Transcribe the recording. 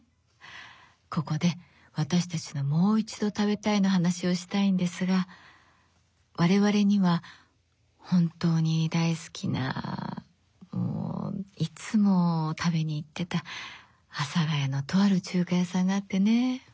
ここで私たちのもう一度食べたいの話をしたいんですが我々には本当に大好きないつも食べに行ってた阿佐ヶ谷のとある中華屋さんがあってね。